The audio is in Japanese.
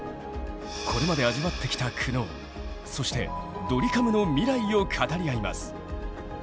これまで味わってきた苦悩そしてドリカムの未来を語り合います。